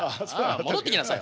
戻ってきなさい。